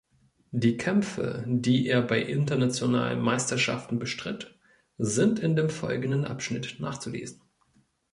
Die Kämpfe, die er bei internationalen Meisterschaften bestritt, sind in dem folgenden Abschnitt nachzulesen.